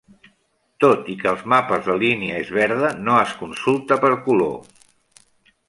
Tot i que als mapes la línia és verda, no es consulta per color.